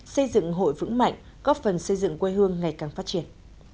xây dựng hội vững mạnh góp phần xây dựng quê hương ngày càng phát triển